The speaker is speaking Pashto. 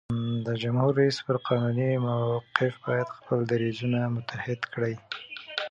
د جمهور رئیس پر قانوني موقف باید خپل دریځونه متحد کړي.